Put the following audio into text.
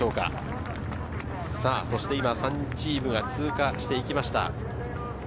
３チームが通過していきました。